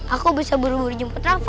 aku bisa buru buru jemput apa